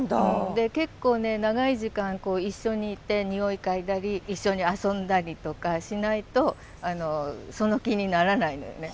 で結構ね長い時間一緒にいて匂い嗅いだり一緒に遊んだりとかしないとその気にならないのよね。